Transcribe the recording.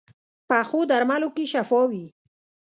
پخو درملو کې شفا وي